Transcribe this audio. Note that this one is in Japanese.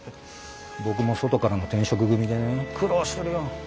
僕も外からの転職組でね苦労してるよ。